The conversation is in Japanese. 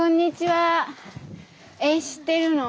え知ってるの？